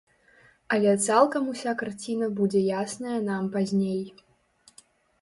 Але цалкам уся карціна будзе ясная нам пазней.